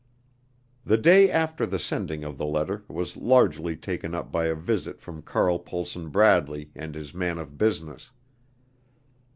The day after the sending of the letter was largely taken up by a visit from Carl Pohlson Bradley and his man of business.